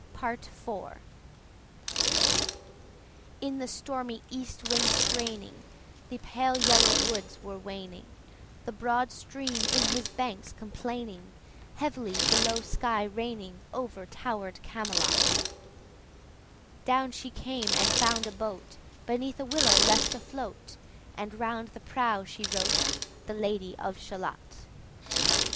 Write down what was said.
PART IVIn the stormy east wind straining, The pale yellow woods were waning, The broad stream in his banks complaining, 120 Heavily the low sky raining Over tower'd Camelot; Down she came and found a boat Beneath a willow left afloat, And round about the prow she wrote 125 The Lady of Shalott.